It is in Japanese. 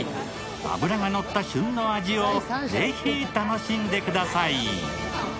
脂がのった旬の味をぜひ楽しんでください。